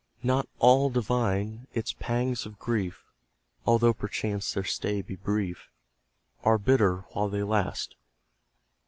Not ALL divine; its pangs of grief (Although, perchance, their stay be brief) Are bitter while they last.